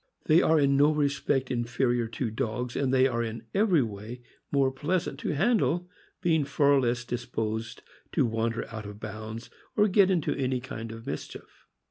They are in no respect inferior to dogs, and they are in every way more pleasant to handle, being far less disposed to wander out of bounds or get into any kind of mischief.